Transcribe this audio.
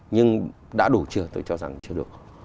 nhưng đã đủ chưa tôi cho rằng chưa được